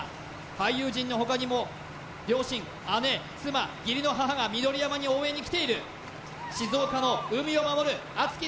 俳優陣の他にも両親姉妻義理の母が緑山に応援に来ている静岡の海を守る熱き